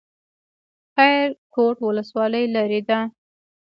خیرکوټ ولسوالۍ لیرې ده؟